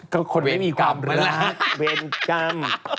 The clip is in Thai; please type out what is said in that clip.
ก็คนไม่มีความรักเวรกรรม